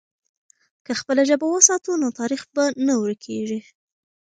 که خپله ژبه وساتو، نو تاریخ به نه ورکېږي.